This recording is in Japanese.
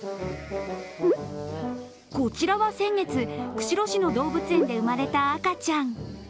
こちらは先月、釧路市の動物園で生まれた赤ちゃん。